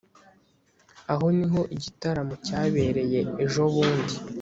aha niho igitaramo cyabereye ejobundi